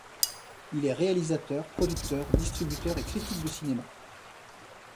Il est réalisateur, producteur, distributeur et critique de cinéma.